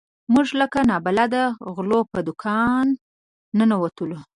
موږ لکه نابلده غلو په کادان ننوتو.